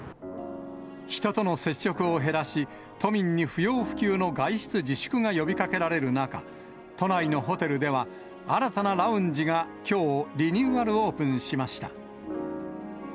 人との接触を減らし、都民に不要不急の外出自粛が呼びかけられる中、都内のホテルでは、新たなラウンジがきょう、リニューアルオープンしました。